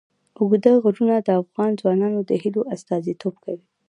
اوږده غرونه د افغان ځوانانو د هیلو استازیتوب کوي.